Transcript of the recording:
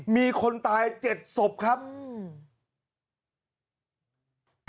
มีคนตาย๗ศพครับ